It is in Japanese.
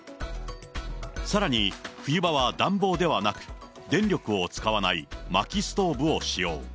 さらに冬場は暖房ではなく、電力を使わないまきストーブを使用。